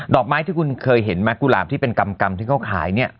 อกไม้ที่คุณเคยเห็นไหมกุหลาบที่เป็นกำที่เขาขายเนี่ย